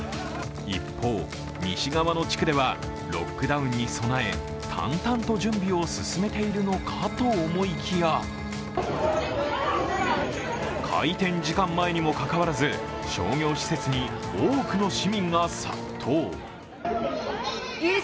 一方、西側の地区ではロックダウンに備え淡々と準備を進めているのかと思いきや開店時間前にもかかわらず商業施設に多くの市民が殺到。